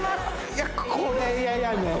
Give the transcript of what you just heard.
いやこれ嫌やねん